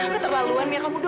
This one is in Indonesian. keterlaluannya kamu do